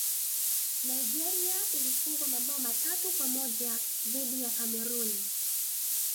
nigeria ilifungwa mabao matatu kwa moja dhidi ya cameroon